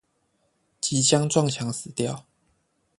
即將撞牆死掉